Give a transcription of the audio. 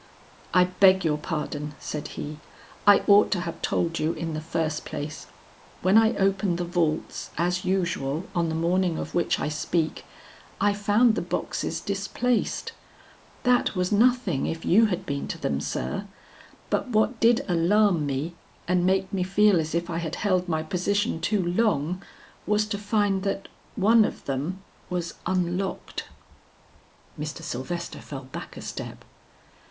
"I beg your pardon," said he, "I ought to have told you in the first place. When I opened the vaults as usual on the morning of which I speak, I found the boxes displaced; that was nothing if you had been to them, sir; but what did alarm me and make me feel as if I had held my position too long was to find that one of them was unlocked." Mr. Sylvester fell back a step.